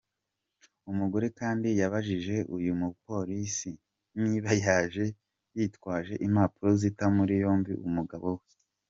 Umugore kandi yabajije uyu mupolisi niba yaje yitwaje impapuro zita muri yombi umugabo we.